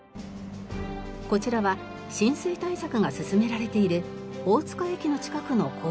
こちらは浸水対策が進められている大塚駅の近くの工事現場。